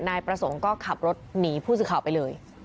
นายประสงค์ก็ขับรถหนีผู้สื่อข่าวไปเลย